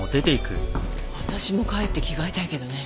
私も帰って着替えたいけどね。